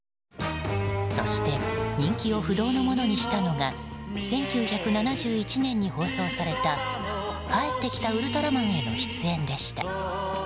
そして人気を不動のものにしたのが１９７１年に放送された「帰ってきたウルトラマン」への出演でした。